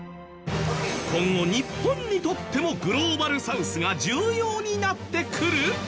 今後日本にとってもグローバルサウスが重要になってくる！？